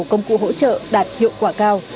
công cụ hỗ trợ đạt hiệu quả cao